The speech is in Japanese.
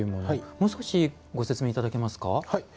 もう少しご説明いただけますか？